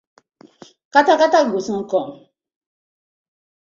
Kata kata go soon kom.